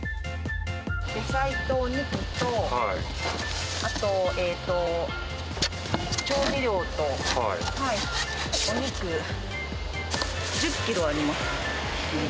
野菜とお肉と、あと、調味料と、お肉、１０キロあります。